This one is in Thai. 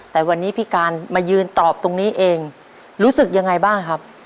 แต่วันนี้พี่การมายืนตอบตรงนี้เองรู้สึกยังไงบ้างครับ